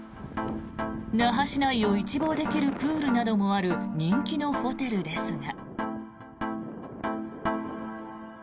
那覇市内を一望できるプールなどもある人気のホテルですが。